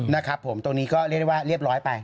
นะครับผมตรงนี้ก็เรียกได้ว่าเรียบร้อยไป